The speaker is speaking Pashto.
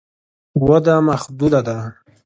وده محدوده ده.